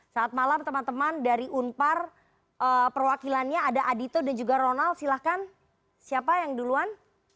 saat malam teman teman dari unpar perwakilannya ada adito dan juga ronald silahkan siapa yang duluan